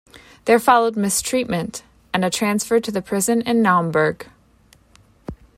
There followed mistreatment and a transfer to the prison in Naumburg.